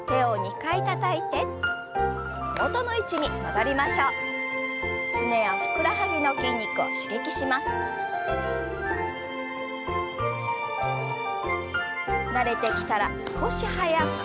慣れてきたら少し速く。